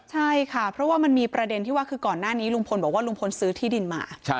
ใช่ค่ะเพราะว่ามันมีประเด็นที่ว่าคือก่อนหน้านี้ลุงพลบอกว่าลุงพลซื้อที่ดินมา